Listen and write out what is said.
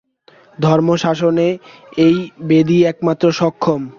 ধর্মশাসনে এই বেদই একমাত্র সক্ষম।